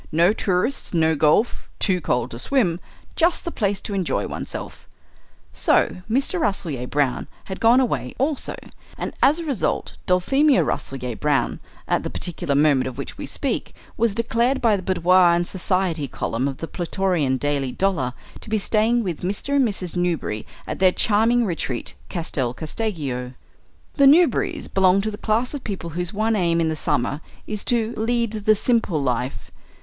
No tourists, no golf, too cold to swim just the place to enjoy oneself." So Mr. Rasselyer Brown had gone away also, and as a result Dulphemia Rasselyer Brown, at the particular moment of which we speak, was declared by the Boudoir and Society column of the Plutorian Daily Dollar to be staying with Mr. and Mrs. Newberry at their charming retreat, Castel Casteggio. The Newberrys belonged to the class of people whose one aim in the summer is to lead the simple life.